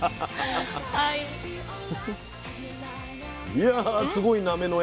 いやすごいなめの画。